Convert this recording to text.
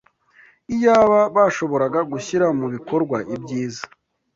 Iyaba bashoboraga gushyira mu bikorwa ibyiza